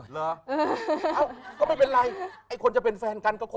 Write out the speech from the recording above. เอานี่แฟนมาไม่ได้มีผลอะไรกับการดูดวงเลย